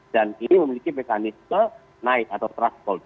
dan ini memiliki mekanisme naik atau transport